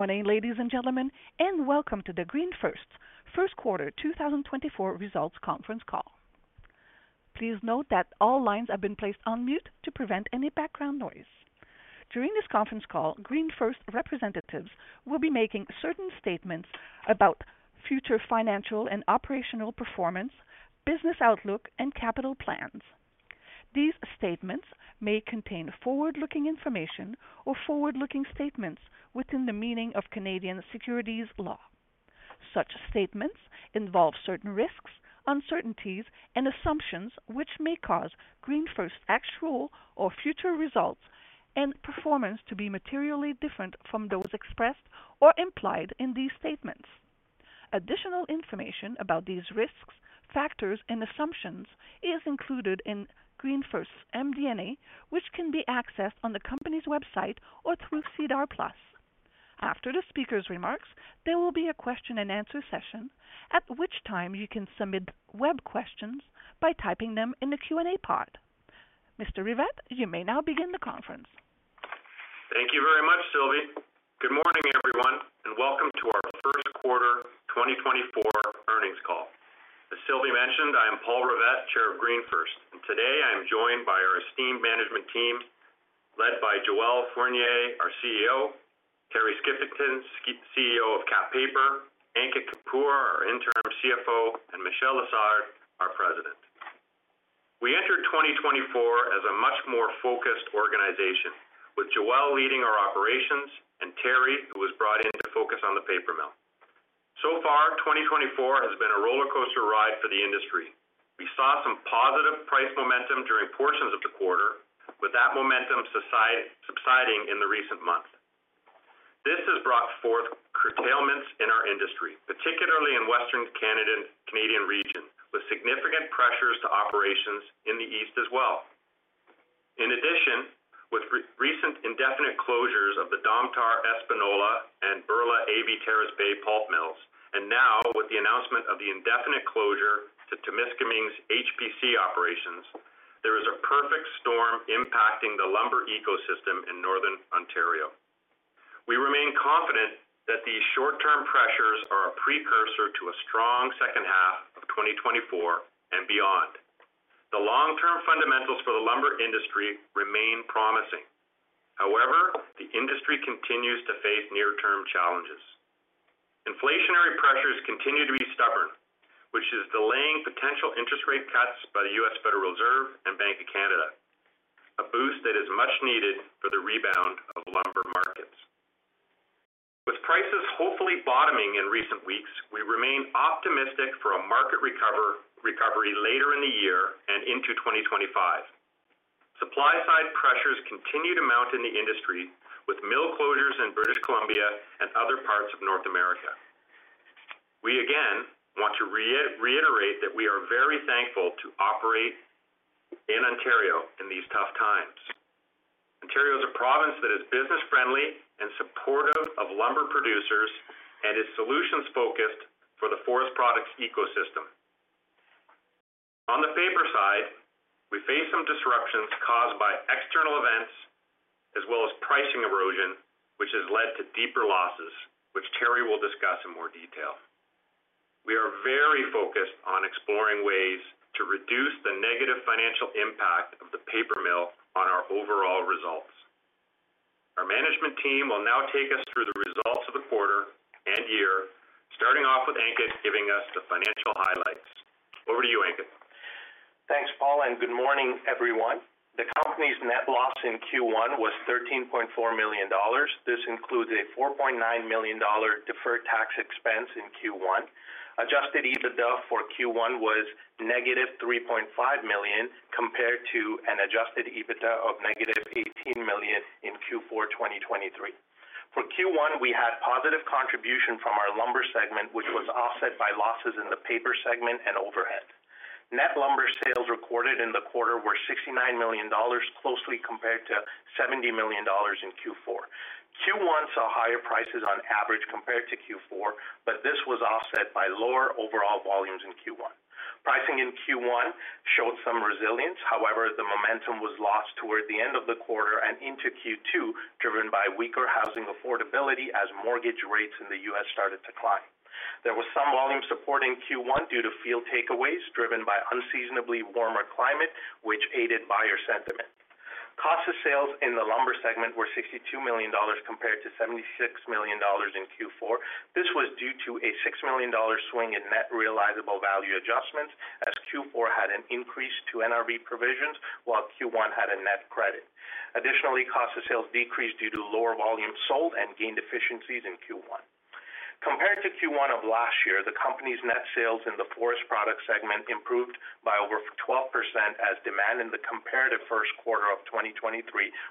Good morning, ladies and gentlemen, and welcome to the GreenFirst First Quarter 2024 Results Conference call. Please note that all lines have been placed on mute to prevent any background noise. During this conference call, GreenFirst representatives will be making certain statements about future financial and operational performance, business outlook, and capital plans. These statements may contain forward-looking information or forward-looking statements within the meaning of Canadian securities law. Such statements involve certain risks, uncertainties, and assumptions which may cause GreenFirst's actual or future results and performance to be materially different from those expressed or implied in these statements. Additional information about these risks, factors, and assumptions is included in GreenFirst's MD&A, which can be accessed on the company's website or through SEDAR+. After the speaker's remarks, there will be a question-and-answer session, at which time you can submit web questions by typing them in the Q&A pod. Mr. Rivett, you may now begin the conference. Thank you very much, Sylvie. Good morning, everyone, and welcome to our First Quarter 2024 earnings call. As Sylvie mentioned, I am Paul Rivett, Chair of GreenFirst, and today I am joined by our esteemed management team led by Joel Fournier, our CEO; Terry Skiffington, CEO of KapPaper; Ankit Kapoor, our interim CFO; and Michel Lessard, our president. We entered 2024 as a much more focused organization, with Joel leading our operations and Terry, who was brought in to focus on the paper mill. So far, 2024 has been a roller coaster ride for the industry. We saw some positive price momentum during portions of the quarter, with that momentum subsiding in the recent months. This has brought forth curtailments in our industry, particularly in Western Canada, with significant pressures to operations in the east as well. In addition, with recent indefinite closures of the Domtar Espanola and AV Terrace Bay pulp mills, and now with the announcement of the indefinite closure to Temiscaming's HPC operations, there is a perfect storm impacting the lumber ecosystem in Northern Ontario. We remain confident that these short-term pressures are a precursor to a strong second half of 2024 and beyond. The long-term fundamentals for the lumber industry remain promising. However, the industry continues to face near-term challenges. Inflationary pressures continue to be stubborn, which is delaying potential interest rate cuts by the U.S. Federal Reserve and Bank of Canada, a boost that is much needed for the rebound of lumber markets. With prices hopefully bottoming in recent weeks, we remain optimistic for a market recovery later in the year and into 2025. Supply-side pressures continue to mount in the industry, with mill closures in British Columbia and other parts of North America. We again want to reiterate that we are very thankful to operate in Ontario in these tough times. Ontario is a province that is business-friendly and supportive of lumber producers and is solutions-focused for the forest products ecosystem. On the paper side, we face some disruptions caused by external events as well as pricing erosion, which has led to deeper losses, which Terry will discuss in more detail. We are very focused on exploring ways to reduce the negative financial impact of the paper mill on our overall results. Our management team will now take us through the results of the quarter and year, starting off with Ankit giving us the financial highlights. Over to you, Ankit. Thanks, Paul, and good morning, everyone. The company's net loss in Q1 was 13.4 million dollars. This includes a 4.9 million dollar deferred tax expense in Q1. Adjusted EBITDA for Q1 was negative 3.5 million compared to an adjusted EBITDA of negative 18 million in Q4 2023. For Q1, we had positive contribution from our lumber segment, which was offset by losses in the paper segment and overhead. Net lumber sales recorded in the quarter were 69 million dollars, closely compared to 70 million dollars in Q4. Q1 saw higher prices on average compared to Q4, but this was offset by lower overall volumes in Q1. Pricing in Q1 showed some resilience, however, the momentum was lost toward the end of the quarter and into Q2, driven by weaker housing affordability as mortgage rates in the U.S. started to climb. There was some volume support in Q1 due to field takeaways driven by unseasonably warmer climate, which aided buyer sentiment. Cost of sales in the lumber segment were 62 million dollars compared to 76 million dollars in Q4. This was due to a 6 million dollar swing in net realizable value adjustments as Q4 had an increase to NRV provisions while Q1 had a net credit. Additionally, cost of sales decreased due to lower volume sold and gained efficiencies in Q1. Compared to Q1 of last year, the company's net sales in the forest products segment improved by over 12% as demand in the comparative first quarter of 2023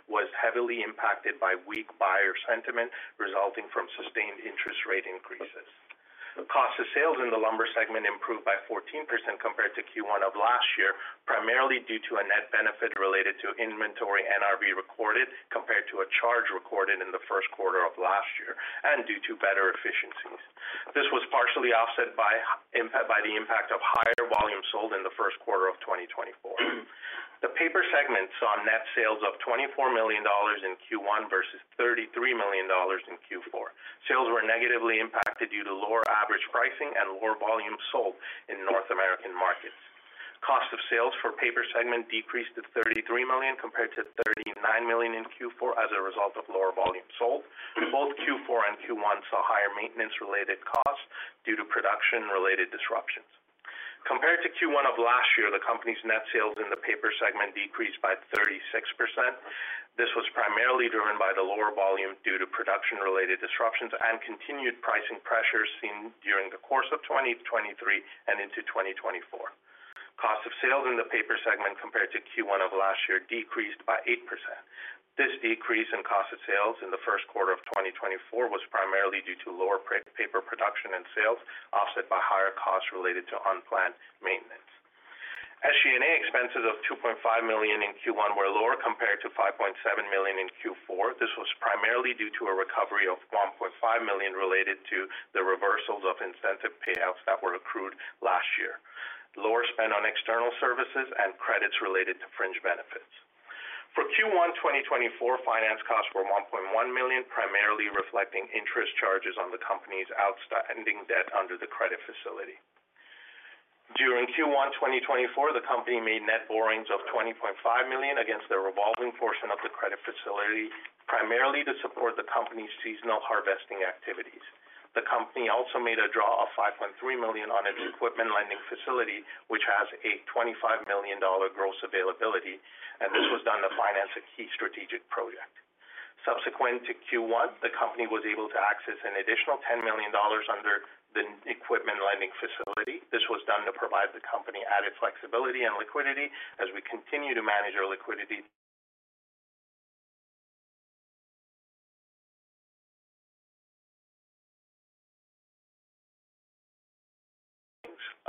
was heavily impacted by weak buyer sentiment resulting from sustained interest rate increases. Cost of sales in the lumber segment improved by 14% compared to Q1 of last year, primarily due to a net benefit related to inventory NRV recorded compared to a charge recorded in the first quarter of last year and due to better efficiencies. This was partially offset by the impact of higher volume sold in the first quarter of 2024. The paper segment saw net sales of 24 million dollars in Q1 versus 33 million dollars in Q4. Sales were negatively impacted due to lower average pricing and lower volume sold in North American markets. Cost of sales for paper segment decreased to 33 million compared to 39 million in Q4 as a result of lower volume sold. Both Q4 and Q1 saw higher maintenance-related costs due to production-related disruptions. Compared to Q1 of last year, the company's net sales in the paper segment decreased by 36%. This was primarily driven by the lower volume due to production-related disruptions and continued pricing pressures seen during the course of 2023 and into 2024. Cost of sales in the paper segment compared to Q1 of last year decreased by 8%. This decrease in cost of sales in the first quarter of 2024 was primarily due to lower paper production and sales, offset by higher costs related to unplanned maintenance. SG&A expenses of 2.5 million in Q1 were lower compared to 5.7 million in Q4. This was primarily due to a recovery of 1.5 million related to the reversals of incentive payouts that were accrued last year, lower spend on external services, and credits related to fringe benefits. For Q1 2024, finance costs were 1.1 million, primarily reflecting interest charges on the company's outstanding debt under the credit facility. During Q1 2024, the company made net borrowings of 20.5 million against the revolving portion of the credit facility, primarily to support the company's seasonal harvesting activities. The company also made a draw of 5.3 million on its equipment lending facility, which has a 25 million dollar gross availability, and this was done to finance a key strategic project. Subsequent to Q1, the company was able to access an additional 10 million dollars under the equipment lending facility. This was done to provide the company added flexibility and liquidity as we continue to manage our liquidity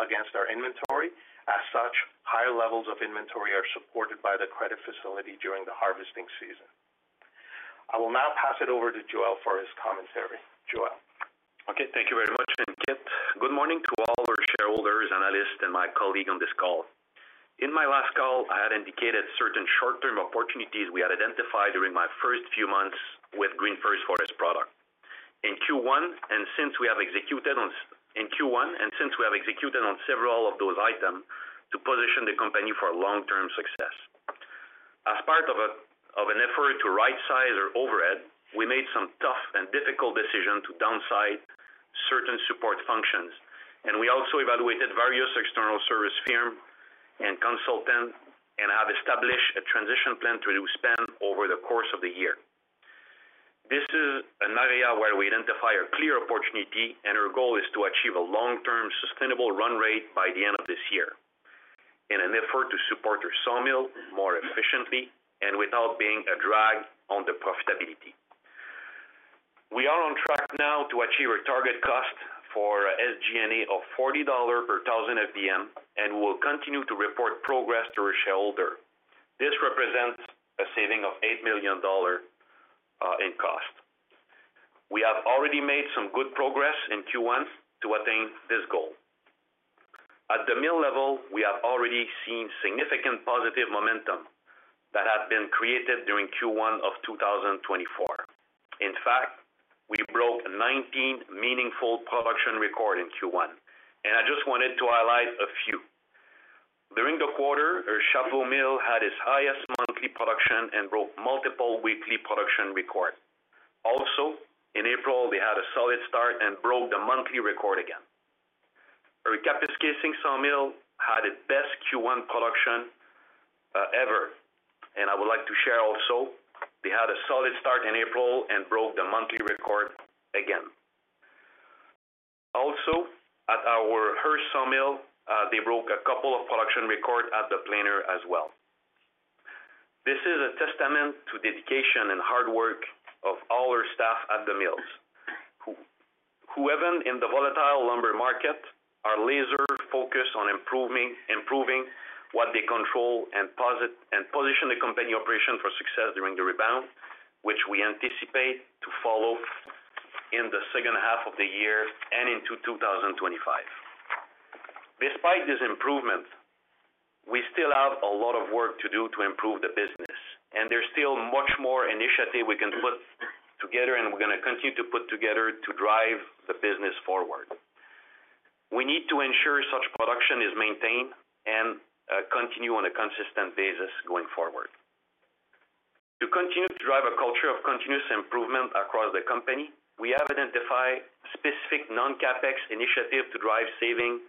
against our inventory. As such, higher levels of inventory are supported by the credit facility during the harvesting season. I will now pass it over to Joel for his commentary. Joel. Okay, thank you very much, Ankit. Good morning to all our shareholders, analysts, and my colleague on this call. In my last call, I had indicated certain short-term opportunities we had identified during my first few months with GreenFirst Forest Products in Q1 and since we have executed on in Q1 and since we have executed on several of those items to position the company for long-term success. As part of an effort to right-size our overhead, we made some tough and difficult decisions to downsize certain support functions, and we also evaluated various external service firms and consultants and have established a transition plan to reduce spend over the course of the year. This is an area where we identify a clear opportunity, and our goal is to achieve a long-term sustainable run rate by the end of this year in an effort to support our sawmill more efficiently and without being a drag on the profitability. We are on track now to achieve our target cost for SG&A of 40 dollars per 1,000 FBM, and we will continue to report progress to our shareholders. This represents a saving of 8 million dollars in cost. We have already made some good progress in Q1 to attain this goal. At the mill level, we have already seen significant positive momentum that had been created during Q1 of 2024. In fact, we broke 19 meaningful production records in Q1, and I just wanted to highlight a few. During the quarter, our Chapleau mill had its highest monthly production and broke multiple weekly production records. Also, in April, they had a solid start and broke the monthly record again. Our Kapuskasing sawmill had its best Q1 production ever, and I would like to share also, they had a solid start in April and broke the monthly record again. Also, at our Hearst sawmill, they broke a couple of production records at the planer as well. This is a testament to dedication and hard work of all our staff at the mills. We, however, in the volatile lumber market are laser-focused on improving what they control and position the company operation for success during the rebound, which we anticipate to follow in the second half of the year and into 2025. Despite these improvements, we still have a lot of work to do to improve the business, and there's still much more initiative we can put together, and we're going to continue to put together to drive the business forward. We need to ensure such production is maintained and continue on a consistent basis going forward. To continue to drive a culture of continuous improvement across the company, we have identified specific non-CapEx initiatives to drive savings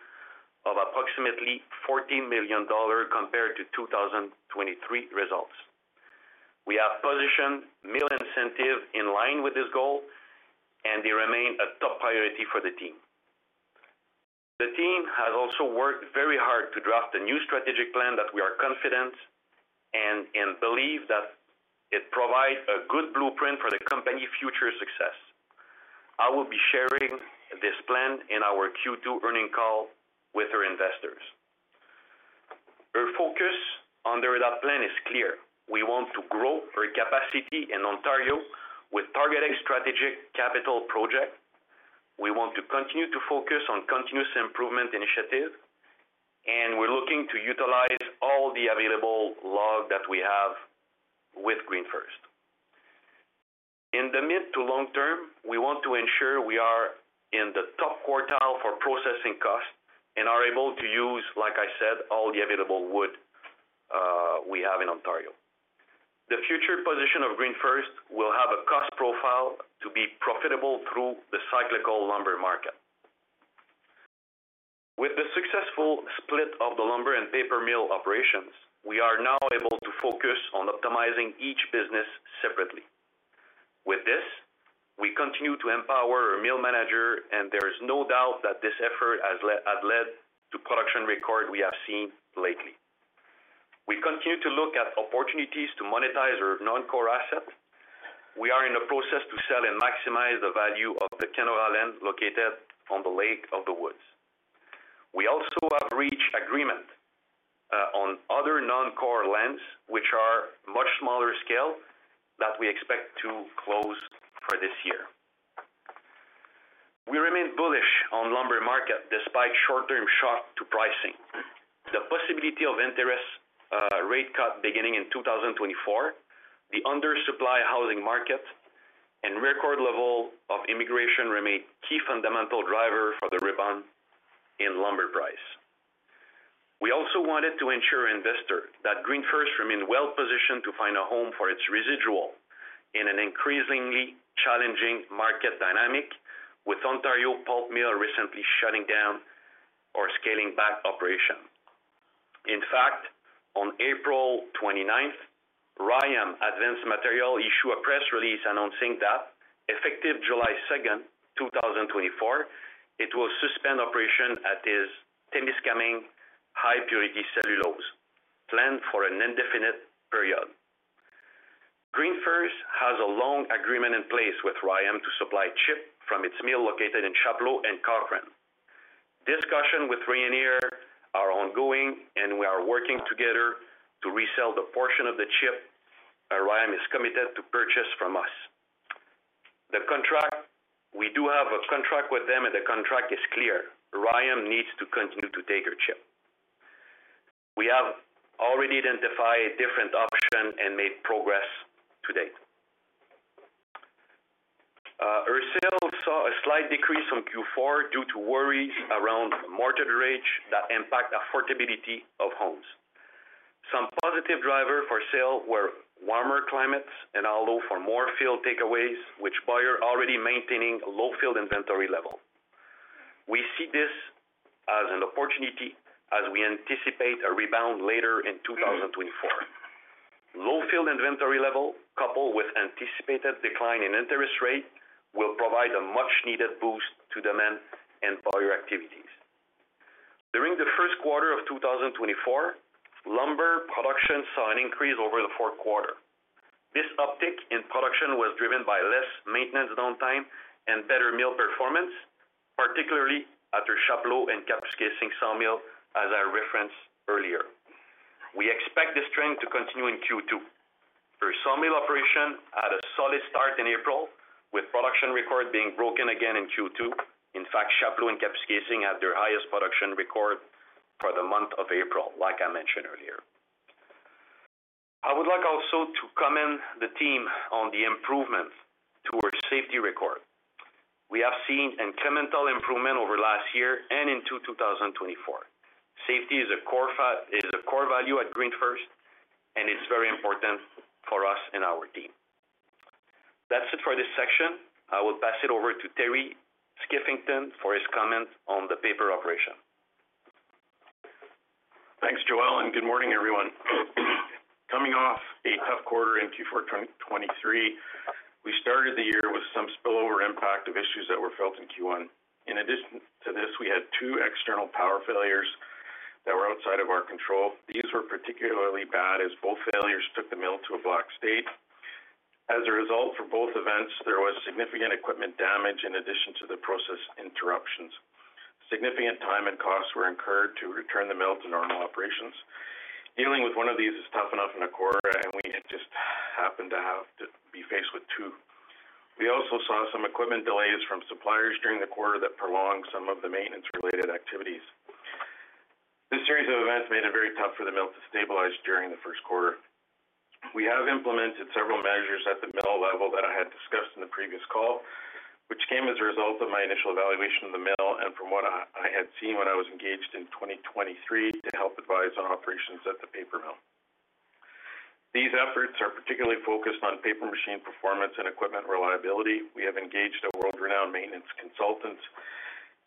of approximately 14 million dollars compared to 2023 results. We have positioned mill incentives in line with this goal, and they remain a top priority for the team. The team has also worked very hard to draft a new strategic plan that we are confident in and believe that it provides a good blueprint for the company's future success. I will be sharing this plan in our Q2 earnings call with our investors. Our focus under that plan is clear. We want to grow our capacity in Ontario with targeted strategic capital projects. We want to continue to focus on continuous improvement initiatives, and we're looking to utilize all the available logs that we have with GreenFirst. In the mid to long term, we want to ensure we are in the top quartile for processing costs and are able to use, like I said, all the available wood we have in Ontario. The future position of GreenFirst will have a cost profile to be profitable through the cyclical lumber market. With the successful split of the lumber and paper mill operations, we are now able to focus on optimizing each business separately. With this, we continue to empower our mill managers, and there is no doubt that this effort has led to production records we have seen lately. We continue to look at opportunities to monetize our non-core assets. We are in the process to sell and maximize the value of the Kenora land located on the Lake of the Woods. We also have reached agreement on other non-core lands, which are much smaller scale, that we expect to close for this year. We remain bullish on the lumber market despite short-term shocks to pricing. The possibility of interest rate cuts beginning in 2024, the undersupply housing market, and record levels of immigration remain key fundamental drivers for the rebound in lumber prices. We also wanted to ensure, investors, that GreenFirst remains well-positioned to find a home for its residual in an increasingly challenging market dynamic, with Ontario Pulp Mill recently shutting down or scaling back operations. In fact, on April 29th, Rayonier Advanced Materials issued a press release announcing that effective July 2nd, 2024, it will suspend operations at its Témiscaming high purity cellulose plant for an indefinite period. GreenFirst has a long agreement in place with RIAM to supply chips from its mill located in Chapleau and Cochrane. Discussions with Rayonier are ongoing, and we are working together to resell the portion of the chips RIAM is committed to purchase from us. The contract we do have a contract with them, and the contract is clear. RIAM needs to continue to take our chips. We have already identified a different option and made progress to date. Our sales saw a slight decrease from Q4 due to worries around mortgage rates that impact the affordability of homes. Some positive drivers for sales were warmer climates and also for more field takeaways, which buyers are already maintaining a low field inventory level. We see this as an opportunity as we anticipate a rebound later in 2024. Low field inventory levels, coupled with anticipated decline in interest rates, will provide a much-needed boost to demand and buyer activities. During the first quarter of 2024, lumber production saw an increase over the fourth quarter. This uptick in production was driven by less maintenance downtime and better mill performance, particularly at our Chapleau and Kapuskasing sawmill, as I referenced earlier. We expect this trend to continue in Q2. Our sawmill operations had a solid start in April, with production records being broken again in Q2. In fact, Chapleau and Kapuskasing had their highest production record for the month of April, like I mentioned earlier. I would like also to commend the team on the improvements to our safety records. We have seen incremental improvements over the last year and into 2024. Safety is a core value at GreenFirst, and it's very important for us and our team. That's it for this section. I will pass it over to Terry Skiffington for his comments on the paper operation. Thanks, Joel, and good morning, everyone. Coming off a tough quarter in Q4 2023, we started the year with some spillover impact of issues that were felt in Q1. In addition to this, we had two external power failures that were outside of our control. These were particularly bad as both failures took the mill to a block state. As a result, for both events, there was significant equipment damage in addition to the process interruptions. Significant time and costs were incurred to return the mill to normal operations. Dealing with one of these is tough enough in a quarter, and we just happened to be faced with two. We also saw some equipment delays from suppliers during the quarter that prolonged some of the maintenance-related activities. This series of events made it very tough for the mill to stabilize during the first quarter. We have implemented several measures at the mill level that I had discussed in the previous call, which came as a result of my initial evaluation of the mill and from what I had seen when I was engaged in 2023 to help advise on operations at the paper mill. These efforts are particularly focused on paper machine performance and equipment reliability. We have engaged a world-renowned maintenance consultant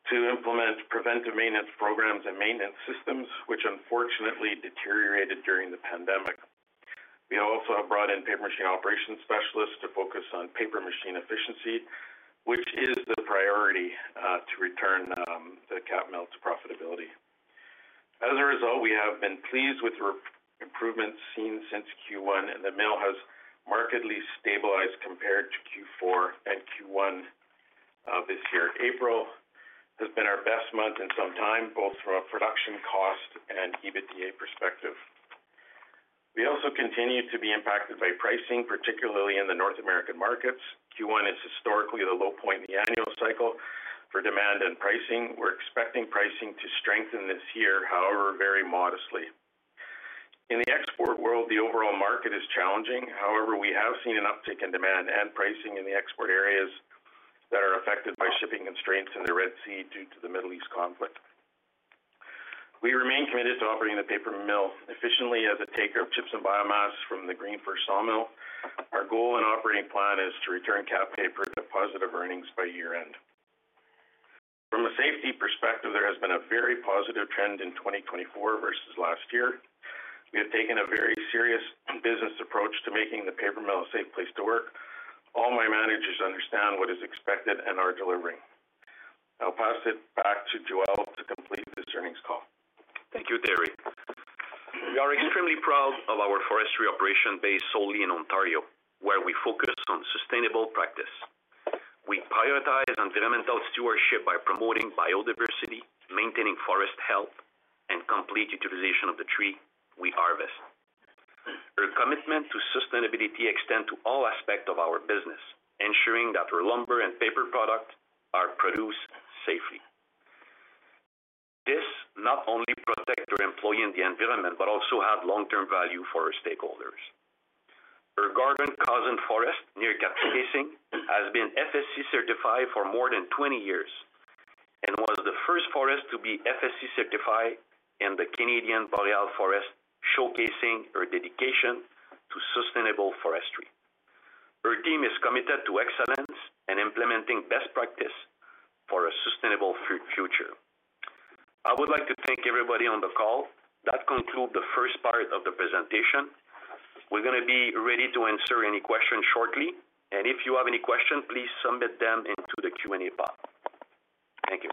to implement preventive maintenance programs and maintenance systems, which unfortunately deteriorated during the pandemic. We also have brought in paper machine operations specialists to focus on paper machine efficiency, which is the priority to return the Kap mill to profitability. As a result, we have been pleased with the improvements seen since Q1, and the mill has markedly stabilized compared to Q4 and Q1 of this year. April has been our best month in some time, both from a production cost and EBITDA perspective. We also continue to be impacted by pricing, particularly in the North American markets. Q1 is historically the low point in the annual cycle for demand and pricing. We're expecting pricing to strengthen this year, however, very modestly. In the export world, the overall market is challenging. However, we have seen an uptick in demand and pricing in the export areas that are affected by shipping constraints in the Red Sea due to the Middle East conflict. We remain committed to operating the paper mill efficiently as a taker of chips and biomass from the GreenFirst sawmill. Our goal and operating plan is to return KapPaper to positive earnings by year-end. From a safety perspective, there has been a very positive trend in 2024 versus last year. We have taken a very serious business approach to making the paper mill a safe place to work. All my managers understand what is expected and are delivering. I'll pass it back to Joel to complete this earnings call. Thank you, Terry. We are extremely proud of our forestry operation based solely in Ontario, where we focus on sustainable practice. We prioritize environmental stewardship by promoting biodiversity, maintaining forest health, and complete utilization of the trees we harvest. Our commitment to sustainability extends to all aspects of our business, ensuring that our lumber and paper products are produced safely. This not only protects our employees and the environment but also has long-term value for our stakeholders. Our Gordon Cosens Forest near Kapuskasing has been FSC certified for more than 20 years and was the first forest to be FSC certified in the Canadian Boreal Forest, showcasing our dedication to sustainable forestry. Our team is committed to excellence and implementing best practices for a sustainable future. I would like to thank everybody on the call. That concludes the first part of the presentation. We're going to be ready to answer any questions shortly, and if you have any questions, please submit them into the Q&A box. Thank you.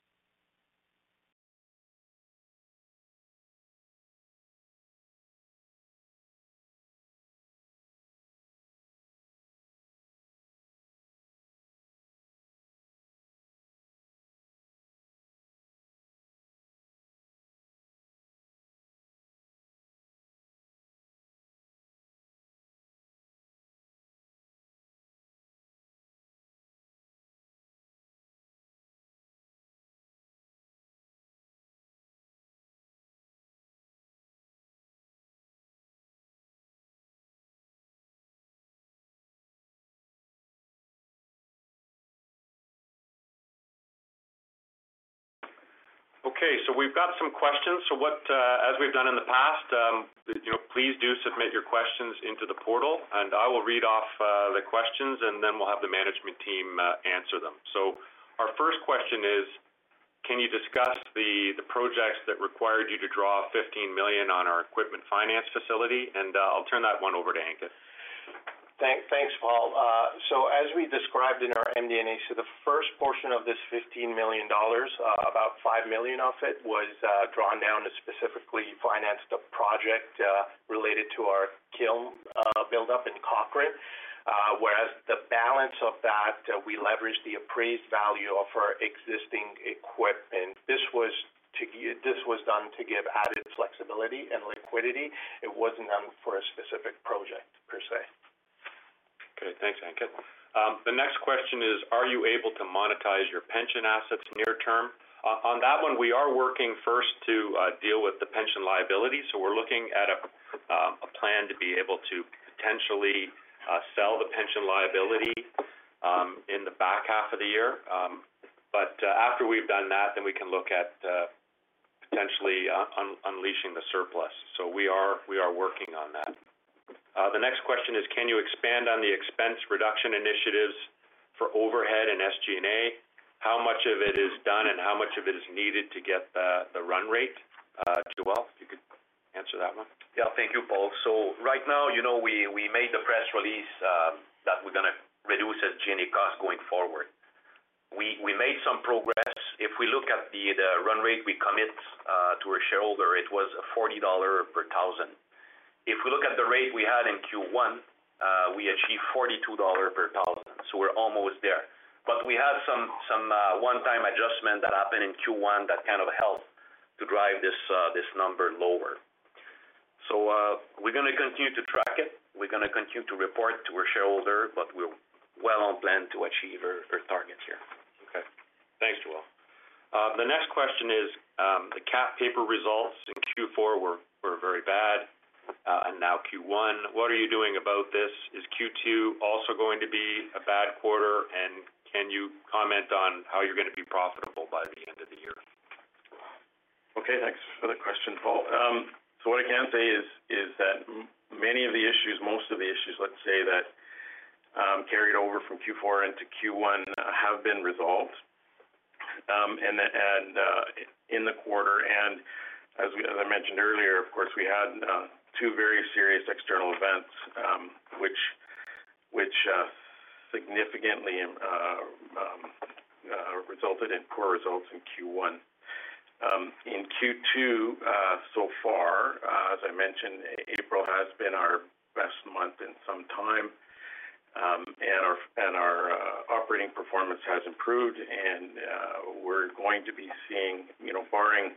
Okay, so we've got some questions. So what, as we've done in the past, please do submit your questions into the portal, and I will read off the questions, and then we'll have the management team answer them. So our first question is, can you discuss the projects that required you to draw 15 million on our equipment finance facility? And I'll turn that one over to Ankit. Thanks, Paul. So as we described in our MD&A, so the first portion of this 15 million dollars, about 5 million of it, was drawn down to specifically finance the project related to our kiln buildup in Cochrane, whereas the balance of that, we leveraged the appraised value of our existing equipment. This was done to give added flexibility and liquidity. It wasn't done for a specific project per se. Okay, thanks, Ankit. The next question is, are you able to monetize your pension assets near term? On that one, we are working first to deal with the pension liability. So we're looking at a plan to be able to potentially sell the pension liability in the back half of the year. But after we've done that, then we can look at potentially unleashing the surplus. So we are working on that. The next question is, can you expand on the expense reduction initiatives for overhead and SG&A? How much of it is done, and how much of it is needed to get the run rate? Joel, if you could answer that one. Yeah, thank you, Paul. So right now, we made the press release that we're going to reduce SG&A costs going forward. We made some progress. If we look at the run rate we commit to our shareholder, it was 40 dollar per 1,000. If we look at the rate we had in Q1, we achieved 42 dollars per 1,000. So we're almost there. But we had some one-time adjustment that happened in Q1 that kind of helped to drive this number lower. So we're going to continue to track it. We're going to continue to report to our shareholder, but we're well on plan to achieve our target here. Okay, thanks, Joel. The next question is, the KapPaper results in Q4 were very bad, and now Q1. What are you doing about this? Is Q2 also going to be a bad quarter, and can you comment on how you're going to be profitable by the end of the year? Okay, thanks for the question, Paul. So what I can say is that many of the issues, most of the issues, let's say, that carried over from Q4 into Q1 have been resolved in the quarter. And as I mentioned earlier, of course, we had two very serious external events, which significantly resulted in poor results in Q1. In Q2 so far, as I mentioned, April has been our best month in some time, and our operating performance has improved. And we're going to be seeing, barring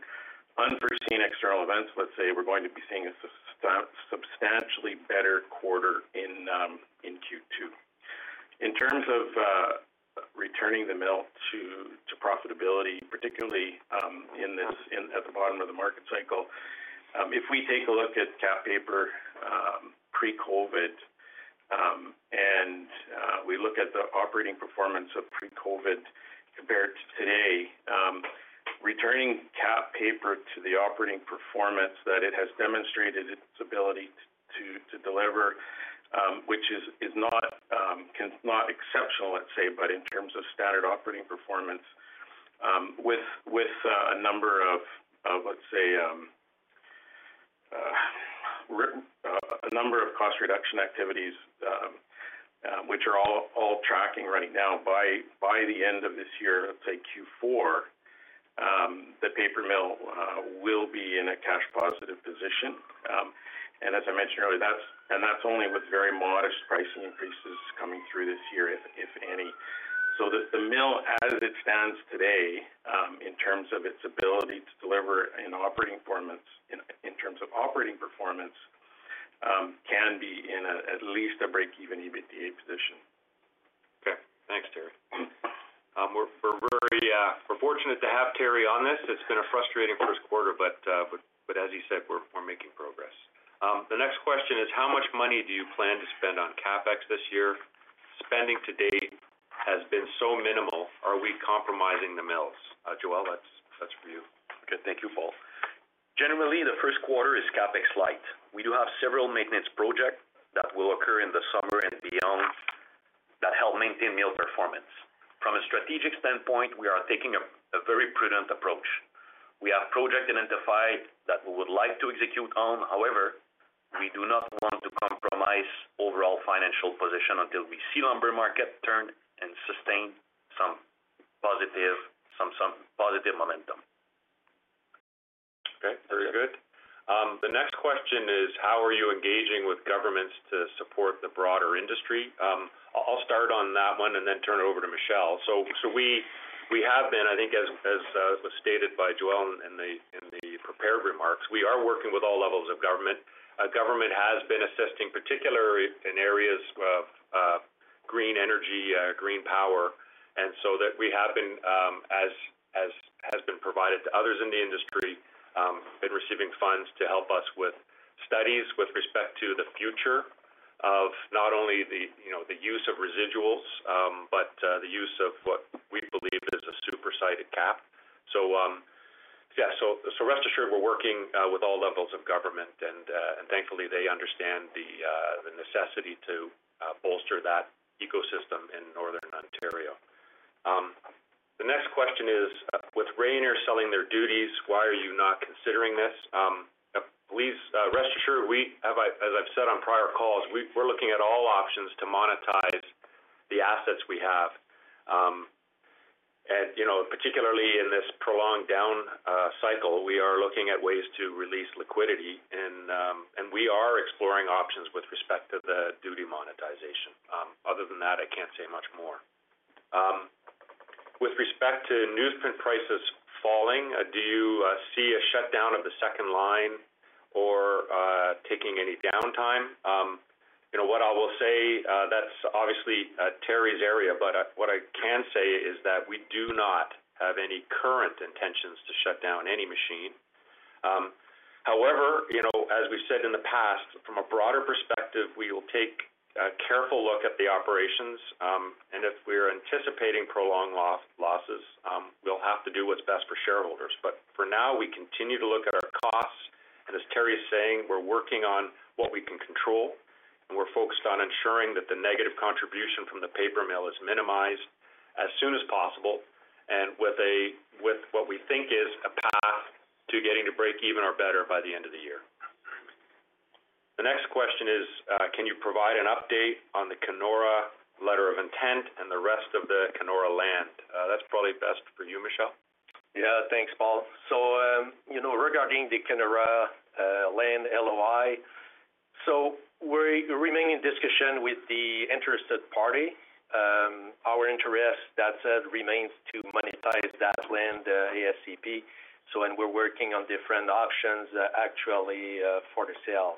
unforeseen external events, let's say, we're going to be seeing a substantially better quarter in Q2. In terms of returning the mill to profitability, particularly at the bottom of the market cycle, if we take a look at KapPaper pre-COVID and we look at the operating performance of pre-COVID compared to today, returning KapPaper to the operating performance that it has demonstrated its ability to deliver, which is not exceptional, let's say, but in terms of standard operating performance, with a number of, let's say, a number of cost reduction activities, which are all tracking right now, by the end of this year, let's say Q4, the paper mill will be in a cash-positive position. And as I mentioned earlier, and that's only with very modest pricing increases coming through this year, if any. The mill, as it stands today, in terms of its ability to deliver in operating performance, in terms of operating performance, can be in at least a break-even EBITDA position. Okay, thanks, Terry. We're fortunate to have Terry on this. It's been a frustrating first quarter, but as he said, we're making progress. The next question is, how much money do you plan to spend on Capex this year? Spending to date has been so minimal. Are we compromising the mills? Joel, that's for you. Okay, thank you, Paul. Generally, the first quarter is CapEx light. We do have several maintenance projects that will occur in the summer and beyond that help maintain mill performance. From a strategic standpoint, we are taking a very prudent approach. We have projects identified that we would like to execute on. However, we do not want to compromise overall financial position until we see lumber market turn and sustain some positive momentum. Okay, very good. The next question is, how are you engaging with governments to support the broader industry? I'll start on that one and then turn it over to Michel. So we have been, I think, as was stated by Joel in the prepared remarks, we are working with all levels of government. Government has been assisting, particularly in areas of green energy, green power. And so we have been, as has been provided to others in the industry, receiving funds to help us with studies with respect to the future of not only the use of residuals, but the use of what we believe is a Super site at Kap. So yeah, so rest assured, we're working with all levels of government, and thankfully, they understand the necessity to bolster that ecosystem in Northern Ontario. The next question is, with Rayonier selling their duties, why are you not considering this? Please rest assured, as I've said on prior calls, we're looking at all options to monetize the assets we have. Particularly in this prolonged down cycle, we are looking at ways to release liquidity, and we are exploring options with respect to the duty monetization. Other than that, I can't say much more. With respect to newsprint prices falling, do you see a shutdown of the second line or taking any downtime? What I will say, that's obviously Terry's area, but what I can say is that we do not have any current intentions to shut down any machine. However, as we've said in the past, from a broader perspective, we will take a careful look at the operations. If we're anticipating prolonged losses, we'll have to do what's best for shareholders. For now, we continue to look at our costs. As Terry is saying, we're working on what we can control. We're focused on ensuring that the negative contribution from the paper mill is minimized as soon as possible and with what we think is a path to getting to break-even or better by the end of the year. The next question is, can you provide an update on the Kenora letter of intent and the rest of the Kenora land? That's probably best for you, Michel. Yeah, thanks, Paul. So regarding the Kenora land, LOI, so we're remaining in discussion with the interested party. Our interest, that said, remains to monetize that land, ASCP. And we're working on different options, actually, for the sale.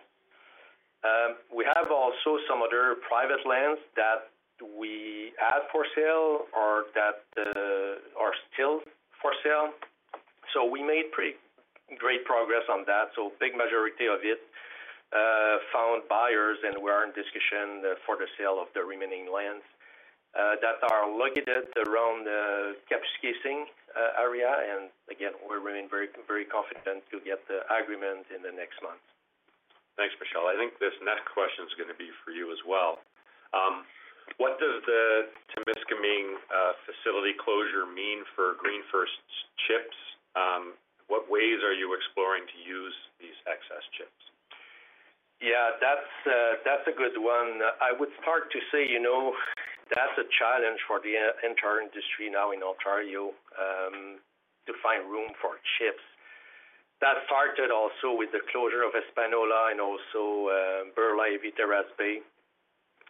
We have also some other private lands that we add for sale or that are still for sale. So we made pretty great progress on that. So a big majority of it found buyers, and we are in discussion for the sale of the remaining lands that are located around the Kapuskasing area. And again, we're remaining very confident to get the agreement in the next month. Thanks, Michel. I think this next question is going to be for you as well. What does the Temiscaming facility closure mean for GreenFirst chips? What ways are you exploring to use these excess chips? Yeah, that's a good one. I would start to say that's a challenge for the entire industry now in Ontario to find room for chips. That started also with the closure of Espanola and also AV Terrace Bay.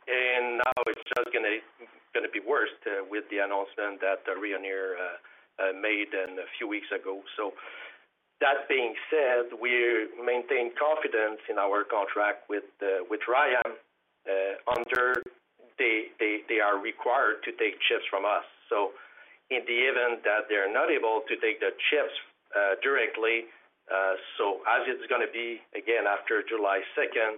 And now it's just going to be worse with the announcement that Rayonier made a few weeks ago. So that being said, we maintain confidence in our contract with Rayonier. They are required to take chips from us. So in the event that they're not able to take the chips directly, so as it's going to be, again, after July 2nd,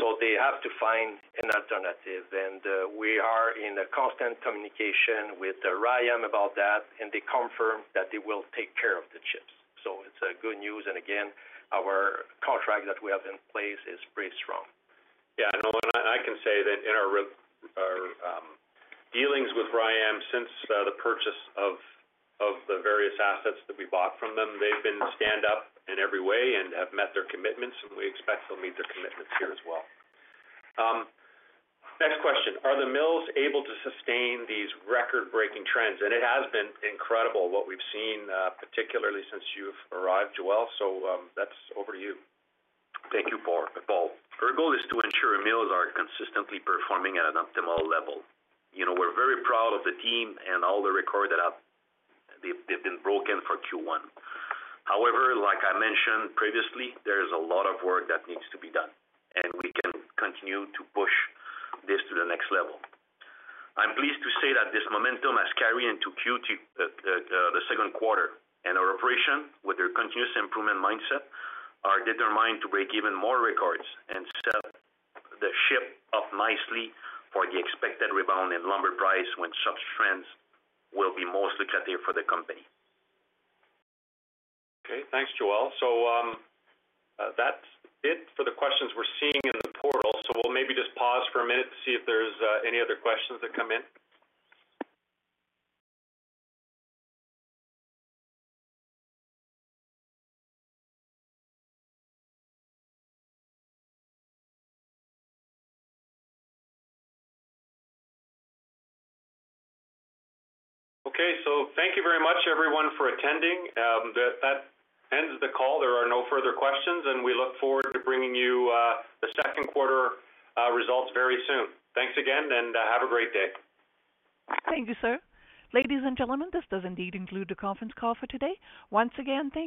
so they have to find an alternative. And we are in constant communication with Rayonier about that, and they confirm that they will take care of the chips. So it's good news. And again, our contract that we have in place is pretty strong. Yeah, no, I can say that in our dealings with Rayonier since the purchase of the various assets that we bought from them, they've been stand-up in every way and have met their commitments. And we expect they'll meet their commitments here as well. Next question, are the mills able to sustain these record-breaking trends? And it has been incredible what we've seen, particularly since you've arrived, Joel. So that's over to you. Thank you, Paul. Our goal is to ensure mills are consistently performing at an optimal level. We're very proud of the team and all the records that they've broken for Q1. However, like I mentioned previously, there is a lot of work that needs to be done. We can continue to push this to the next level. I'm pleased to say that this momentum has carried into the second quarter. Our operations, with their continuous improvement mindset, are determined to break even more records and set the stage up nicely for the expected rebound in lumber price when such trends will be most lucrative for the company. Okay, thanks, Joel. So that's it for the questions we're seeing in the portal. So we'll maybe just pause for a minute to see if there's any other questions that come in. Okay, so thank you very much, everyone, for attending. That ends the call. There are no further questions. And we look forward to bringing you the second quarter results very soon. Thanks again, and have a great day. Thank you, sir. Ladies and gentlemen, this does indeed include the conference call for today. Once again, thank you.